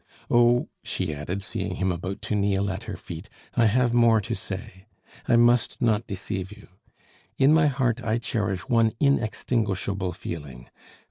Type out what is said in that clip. Oh!" she added, seeing him about to kneel at her feet, "I have more to say. I must not deceive you. In my heart I cherish one inextinguishable feeling.